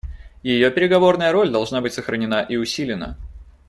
Ее переговорная роль должна быть сохранена и усилена.